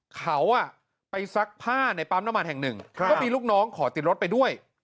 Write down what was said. เขาไปซักผ้าในปั๊มน้ำมันแห่งหนึ่งก็มีลูกน้องขอติดรถไปด้วย